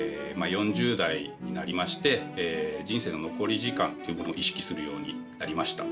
４０代になりまして人生の残り時間というものを意識するようになりました。